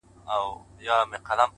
اې د دوو سترگو ښايسته قدم اخله;